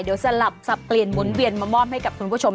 เดี๋ยวสลับสับเปลี่ยนหมุนเวียนมามอบให้กับคุณผู้ชม